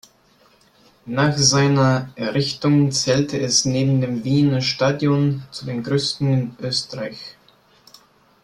Nach seiner Errichtung zählte es neben dem Wiener Stadion zu den größten in Österreich.